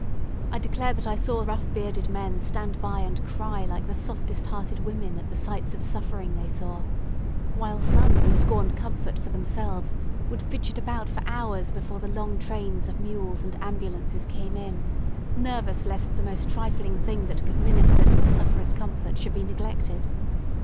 I declare that I saw rough bearded men stand by and cry like the softest hearted women at the sights of suffering they saw; while some who scorned comfort for themselves, would fidget about for hours before the long trains of mules and ambulances came in, nervous lest the most trifling thing that could minister to the sufferers' comfort should be neglected.